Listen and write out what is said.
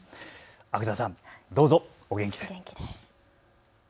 阿久澤さん、どうぞお元気で。